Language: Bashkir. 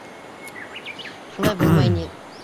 Шулай булмай ни!